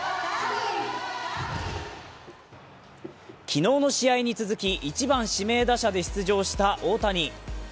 昨日の試合に続き１番・指名打者で出場した大谷。